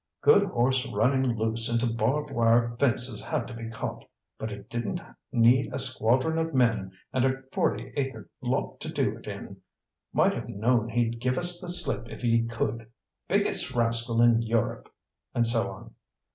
"Good horse running loose into barb wire fences had to be caught, but it didn't need a squadron of men and a forty acre lot to do it in. Might have known he'd give us the slip if he could biggest rascal in Europe!" And so on.